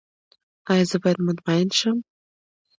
ایا زه باید مطمئن شم؟